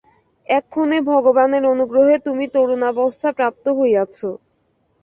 এক্ষণে ভগবানের অনুগ্রহে তুমি তরুণাবস্থা প্রাপ্ত হইয়াছ।